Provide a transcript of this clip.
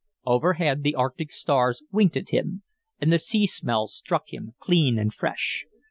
Overhead the arctic stars winked at him, and the sea smells struck him, clean and fresh.